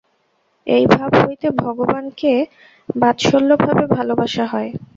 এই ভাব হইতে ভগবানকে বাৎসল্যভাবে ভালবাসা হয়।